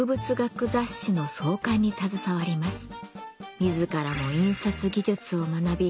自らも印刷技術を学び